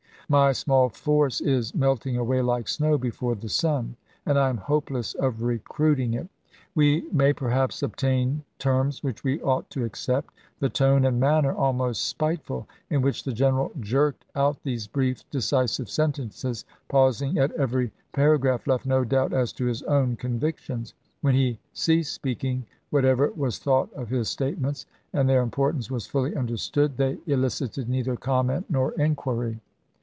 My small force is melting away like snow before the sun, and I am hopeless of recruiting it. We may per haps obtain terms which we ought to accept." The tone and manner, almost spiteful, in which the general jerked out these brief, decisive sentences, pausing at every para graph, left no doubt as to his own convictions. When he ceased speaking, whatever was thought of his statements, — and their importance was fully understood, — they elicited neither comment nor inquiry.